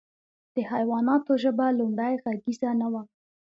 د حیواناتو ژبه لومړۍ غږیزه نه وه.